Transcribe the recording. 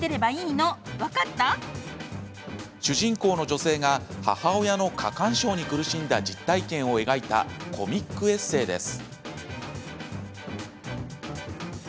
主人公の女性が母親の過干渉に苦しんだ実体験を描いたコミックエッセーです。